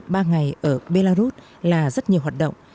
ba ngày ở belarus là rất nhiều hoạt động